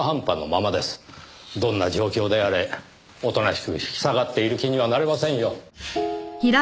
どんな状況であれおとなしく引き下がっている気にはなれませんよ。